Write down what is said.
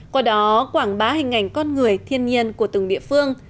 qua đó quảng bá hình ảnh con người thiên nhiên của từng địa phương